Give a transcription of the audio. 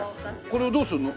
これをどうするの？